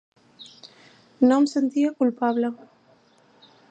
No em sentia culpable.